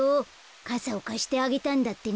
かさをかしてあげたんだってね。